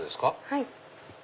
はい。